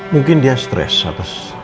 mungkin dia stress atas